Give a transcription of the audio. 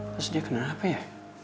terus dia kenapa ya